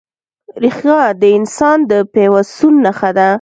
ریښه د انسان د پیوستون نښه ده.